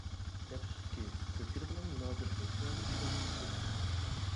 ئەپسۇسكى، كۆپچىلىكنىڭ مۇنازىرە كەيپىياتى شۇنچە سۇس.